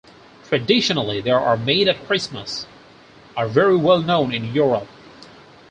Traditionally, they are made at Christmas, are very well known in Europe.